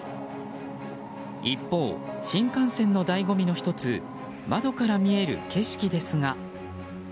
一方、新幹線の醍醐味の１つ窓から見える景色ですが。